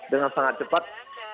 dengan sangat cepat